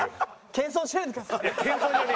謙遜しないでくださいね。